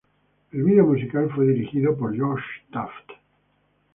El video musical fue dirigido por Josh Taft.